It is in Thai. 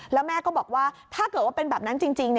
แล้วแม่ก็บอกว่าถ้าเกิดว่าเป็นแบบนั้นจริง